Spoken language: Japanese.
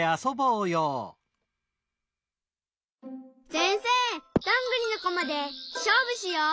せんせいどんぐりのこまでしょうぶしよう。